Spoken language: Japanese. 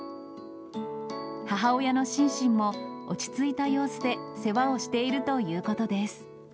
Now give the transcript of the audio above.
母親のシンシンも、落ち着いた様子で世話をしているということです。